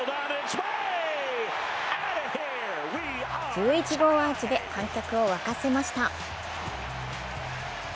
１１号アーチで観客を沸かせました。